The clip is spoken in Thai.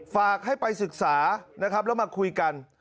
ฝากให้ไปศึกษานะครับแล้วมาคุยกัน